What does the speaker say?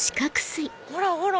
ほらほら！